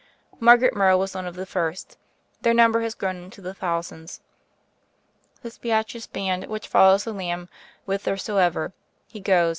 Margaret Morrow was one of the first ; their number has grown into the thousands. This beauteous band, which follows the Lamb whithersoever He goes.